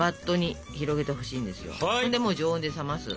でもう常温で冷ます。